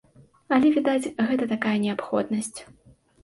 Але, відаць, гэта такая неабходнасць.